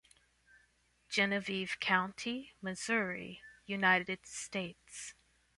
Genevieve County, Missouri, United States.